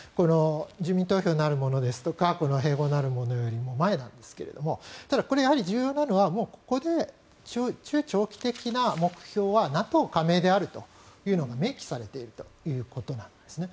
住民投票なるものですとか併合なるものよりも前なんですがただこれやはり重要なのはもうここで中長期的な目標はＮＡＴＯ加盟であるというのが明記されているということなんですね。